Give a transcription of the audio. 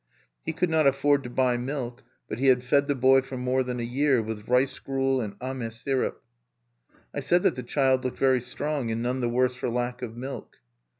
He could not afford to buy milk; but he had fed the boy for more than a year with rice gruel and cane syrup. I said that the child looked very strong, and none the worse for lack of milk.